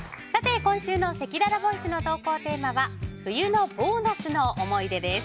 今週のせきららボイスの投稿テーマは冬のボーナスの思い出です。